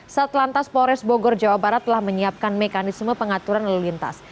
satlantas polres bogor jawa barat telah menyiapkan mekanisme pengaturan lalu lintas